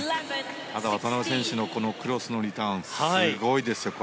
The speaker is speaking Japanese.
ただ、渡辺選手のクロスのリターンすごいですよ。